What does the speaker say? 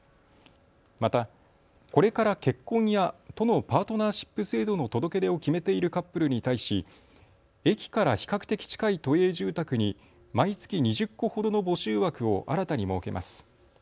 また、これから結婚や都のパートナーシップ制度の届け出を決めているカップルに対し、駅から比較的近い都営住宅に毎月２０戸ほどの募集枠を新たに設けます。